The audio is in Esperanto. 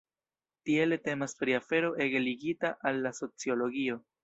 Tiele temas pri afero ege ligita la la sociologio.